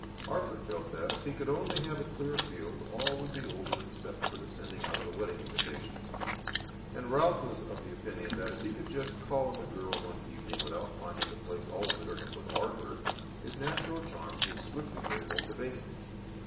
Arthur felt that, if he could only have a clear field, all would be over except the sending out of the wedding invitations; and Ralph was of the opinion that, if he could just call on the girl one evening without finding the place all littered up with Arthur, his natural charms would swiftly bring home the bacon.